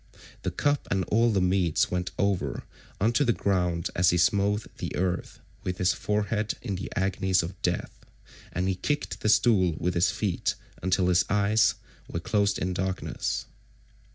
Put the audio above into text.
The cup and all the meats went over on to the ground as he smote the earth with his forehead in the agonies of death, and he kicked the stool with his feet until his eyes were closed in darkness.